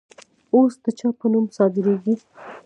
اوس د چا په نوم صادریږي؟